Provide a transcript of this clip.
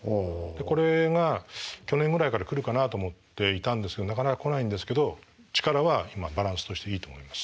これが去年ぐらいから来るかなと思っていたんですけどなかなか来ないんですけど力は今バランスとしていいと思います。